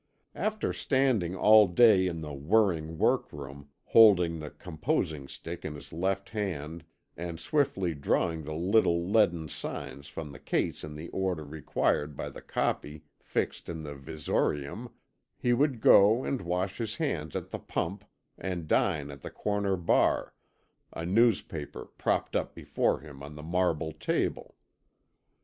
After standing all day in the whirring workroom, holding the composing stick in his left hand, and swiftly drawing the little leaden signs from the case in the order required by the copy fixed in the visorium, he would go and wash his hands at the pump and dine at the corner bar, a newspaper propped up before him on the marble table.